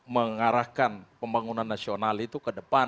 mengarahkan pembangunan nasional itu ke depan